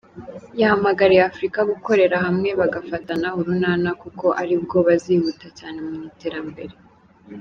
Yahamagariye Afrika gukorera hamwe bagafatana urunana kuko ari bwo bazihuta cyane mu iterambere.